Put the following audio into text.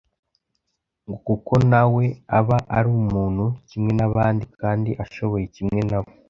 ngo kuko nawe aba ari umuntu kimwe n’abandi kandi ashoboye kimwe nabo